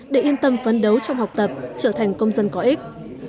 để yên tâm phấn đấu trong học tập trở thành công dân có ích